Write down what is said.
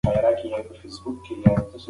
مځکه په شنه کالي کې ډېره ښکلې ښکاري.